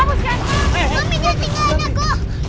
kamu jangan tinggalin aku